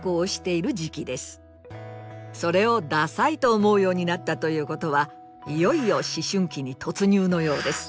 それを「ダサい」と思うようになったということはいよいよ思春期に突入のようです。